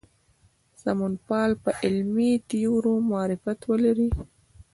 سمونپال په علمي تیوریو معرفت ولري.